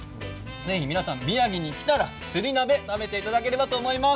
ぜひ皆さん、宮城に来たらせり鍋を食べていただきたいと思います。